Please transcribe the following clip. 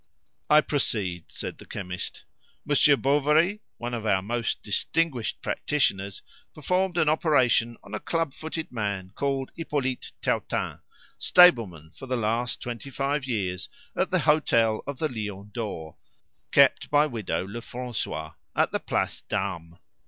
"I proceed," said the chemist. "'Monsieur Bovary, one of our most distinguished practitioners, performed an operation on a club footed man called Hippolyte Tautain, stableman for the last twenty five years at the hotel of the "Lion d'Or," kept by Widow Lefrancois, at the Place d'Armes.